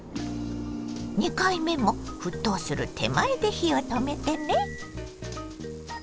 ２回目も沸騰する手前で火を止めてね。